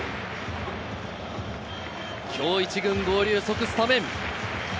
今日１軍合流、即スタメン。